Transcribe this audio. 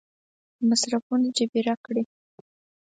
مصرفونه جبیره کړي.